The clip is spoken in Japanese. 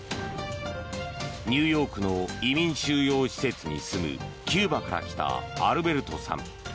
ニューヨークの移民収容施設に住むキューバから来たアルベルトさん。